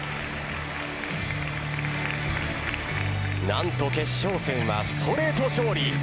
何と決勝戦はストレート勝利。